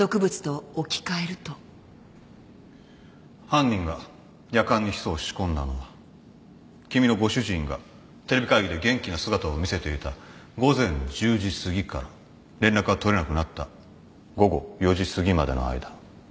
犯人がやかんにヒ素を仕込んだのは君のご主人がテレビ会議で元気な姿を見せていた午前１０時すぎから連絡が取れなくなった午後４時すぎまでの間。